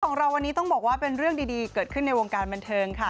ของเราวันนี้ต้องบอกว่าเป็นเรื่องดีเกิดขึ้นในวงการบันเทิงค่ะ